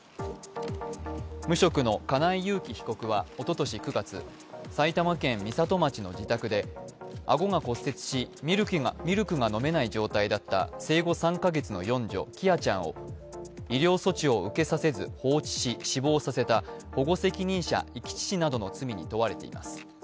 無職の金井裕喜被告はおととし９月、埼玉県美里町の自宅で、顎が骨折しミルクが飲めない状態だった生後３か月の四女、喜空ちゃんを医療措置を受けさせず放置し死亡させた保護責任者遺棄致死などの罪に問われています。